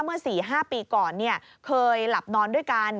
เมื่อ๔๕ปีก่อนเคยหลับนอนด้วยกัน